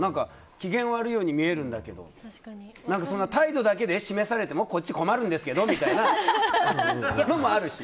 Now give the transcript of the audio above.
機嫌悪いように見えるけど態度だけで示されてもこっち困るんですけどみたいなのもあるし。